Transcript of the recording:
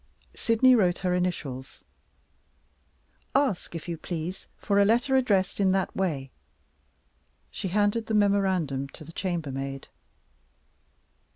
Sydney wrote her initials. "Ask, if you please, for a letter addressed in that way." She handed the memorandum to the chambermaid.